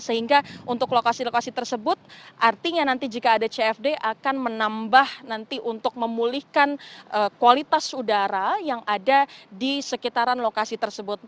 sehingga untuk lokasi lokasi tersebut artinya nanti jika ada cfd akan menambah nanti untuk memulihkan kualitas udara yang ada di sekitaran lokasi tersebut